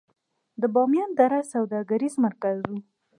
د بامیان دره د سوداګرۍ مرکز و